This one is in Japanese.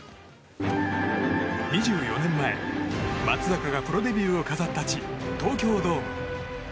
２４年前松坂がプロデビューを飾った地東京ドーム。